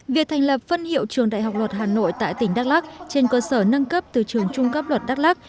việc thành lập phân hiệu trường đại học luật hà nội tại tỉnh đắk lắc trên cơ sở nâng cấp từ trường trung cấp luật đắk lắc